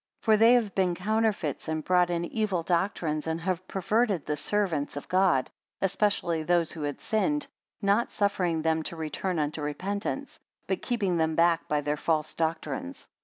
For they have been counterfeits, and brought in evil doctrines, and have perverted the servants of God, especially those who had sinned; not suffering them to return unto repentance, but keeping them back by their false doctrines.